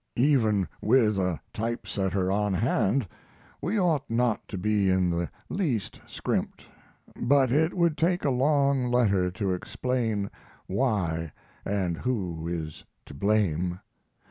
Even with a type setter on hand we ought not to be in the least scrimped but it would take a long letter to explain why & who is to blame.